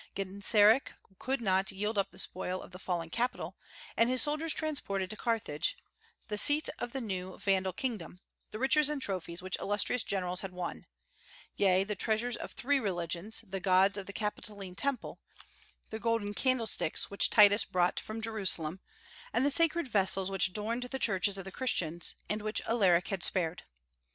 Genseric could not yield up the spoil of the fallen capital, and his soldiers transported to Carthage, the seat of the new Vandal kingdom, the riches and trophies which illustrious generals had won, yea, the treasures of three religions; the gods of the capitoline temple, the golden candlesticks which Titus brought from Jerusalem, and the sacred vessels which adorned the churches of the Christians, and which Alaric had spared.